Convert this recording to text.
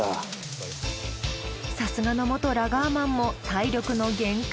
さすがの元ラガーマンも体力の限界。